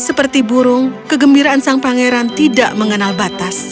seperti burung kegembiraan sang pangeran tidak mengenal batas